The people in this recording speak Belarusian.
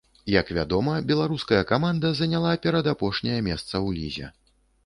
Як вядома, беларуская каманда заняла перадапошняе месца ў лізе.